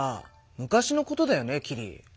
昔のことだよねキリ。